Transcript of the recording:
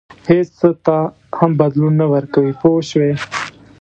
هېڅ څه ته هم بدلون نه ورکوي پوه شوې!.